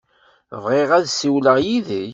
Bɣiɣ ad ssiwleɣ yid-k.